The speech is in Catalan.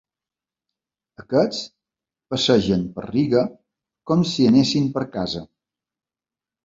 Aquests passegen per Riga com si anessin per casa.